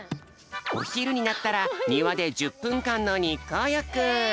おひるになったらにわで１０ぷんかんのにっこうよく！